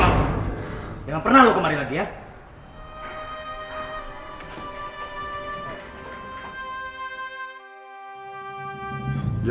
jangan pernah lo kemari lagi ya